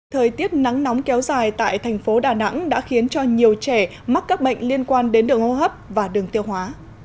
thời tiết nắng nóng kéo dài tại thành phố đà nẵng đã khiến cho nhiều trẻ mắc các bệnh liên quan đến đường hô hấp và đường tiêu hóa